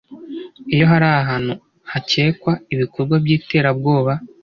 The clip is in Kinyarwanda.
Iyo hari ahantu hakekwa ibikorwa by iterabwoba